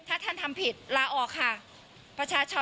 ถ้าท่านทำผิดลาออกค่ะ